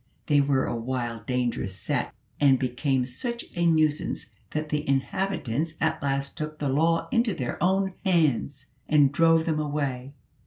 They were a wild, dangerous set, and became such a nuisance that the inhabitants at last took the law into their own hands, and drove them away.